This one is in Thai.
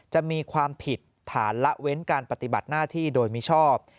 จะมีความผิดฐานละเว้นการปฏิบัติหน้าที่โดยมิชอบ